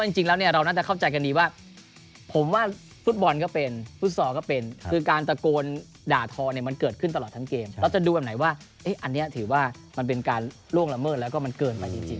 จริงแล้วเนี่ยเราน่าจะเข้าใจกันดีว่าผมว่าฟุตบอลก็เป็นฟุตซอลก็เป็นคือการตะโกนด่าทอเนี่ยมันเกิดขึ้นตลอดทั้งเกมเราจะดูแบบไหนว่าอันนี้ถือว่ามันเป็นการล่วงละเมิดแล้วก็มันเกินไปจริง